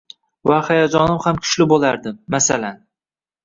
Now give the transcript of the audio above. va hayajonim ham kuchli boʻlardi, masalan.